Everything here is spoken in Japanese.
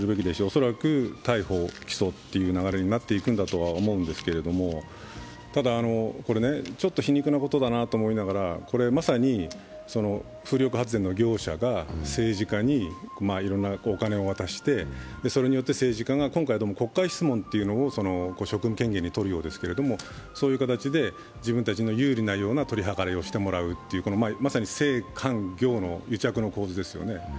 恐らく逮捕・起訴という流れになっていくんだろうとは思いますがただ、ちょっと皮肉なことだなと思いながら、まさに風力発電の会社が政治家にいろんなお金を渡してそれによって、今回はどうも国会質問を職務権限に取るようですけども、そういう形で自分たちの有利なような取り計らいをしてもらうというまさに政官業の癒着の構図ですよね。